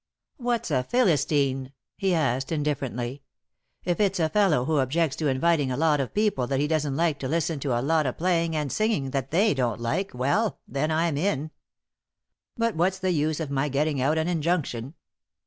"What's a Philistine?" he asked, indifferently. "If it's a fellow who objects to inviting a lot o' people that he doesn't like to listen to a lot o' playing and singing that they don't like, well, then, I'm it. But what's the use of my getting out an injunction?